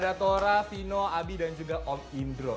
sudah ada tora fino abi dan juga om indro